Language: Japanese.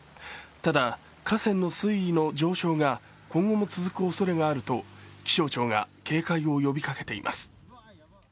ただ、河川の水位の上昇が今後も続くおそれがあると気象庁が警戒を呼びかけています。